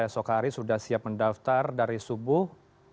esok hari sudah siap mendaftar dari subuh